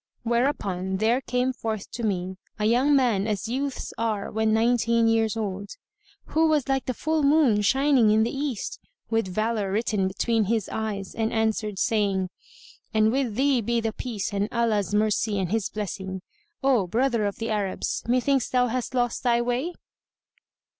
Whereupon there came forth to me a young man as youths are when nineteen years old, who was like the full moon shining in the East, with valour written between his eyes, and answered, saying, "And with thee be the Peace, and Allah's mercy and His blessing! O brother of the Arabs, methinks thou hast lost thy way?"